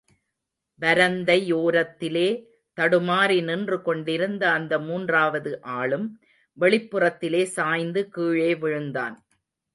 வரந்தை யோரத்திலே தடுமாறி நின்று கொண்டிருந்த அந்த மூன்றாவது ஆளும், வெளிப்புறத்திலே சாய்ந்து கீழே விழுந்தான்.